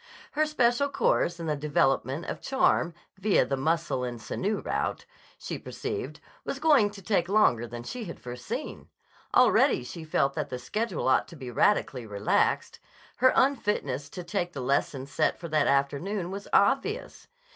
Her special course in the development of charm, via the muscle and sinew route, she perceived, was going to take longer than she had foreseen. Already she felt that the schedule ought to be radically relaxed. Her unfitness to take the lesson set for that afternoon was obvious.